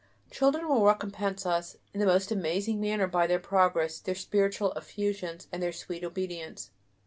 Children will recompense us in the most amazing manner by their progress, their spiritual effusions, and their sweet obedience.